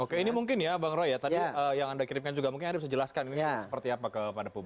oke ini mungkin ya bang roy ya tadi yang anda kirimkan juga mungkin anda bisa jelaskan ini seperti apa kepada publik